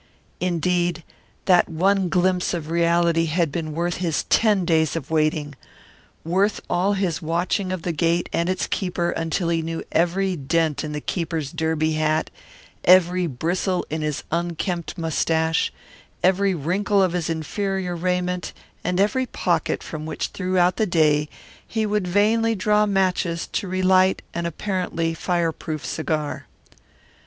Indeed, that one glimpse of reality had been worth his ten days of waiting worth all his watching of the gate and its keeper until he knew every dent in the keeper's derby hat, every bristle in his unkempt mustache, every wrinkle of his inferior raiment, and every pocket from which throughout the day he would vainly draw matches to relight an apparently fireproof cigar.